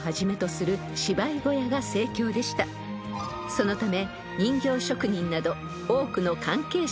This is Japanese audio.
［そのため］